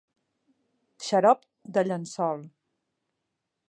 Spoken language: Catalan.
Xarop de llençol.